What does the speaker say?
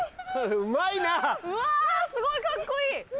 うわすごいカッコいい！